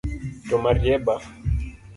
To marieba?